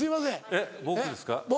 えっ僕ですか？